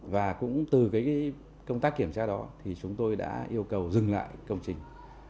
và cũng từ công tác kiểm tra đó thì chúng tôi đã yêu cầu dừng lại công trình